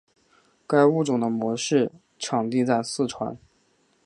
该物种的模式产地在四川。